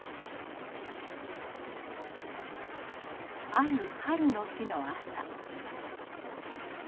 ある春の日の朝。